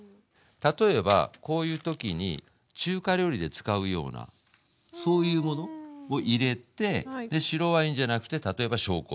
例えばこういう時に中華料理で使うようなそういうものを入れてで白ワインじゃなくて例えば紹興酒。